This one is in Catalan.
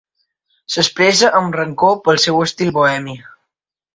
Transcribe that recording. S'expressa amb rancor pel seu estil bohemi.